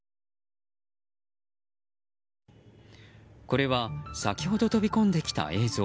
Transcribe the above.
これは先ほど飛び込んできた映像。